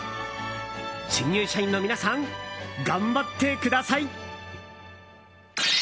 新入社員の皆さん頑張ってください！